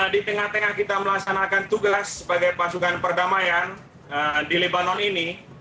di tengah tengah kita melaksanakan tugas sebagai pasukan perdamaian di lebanon ini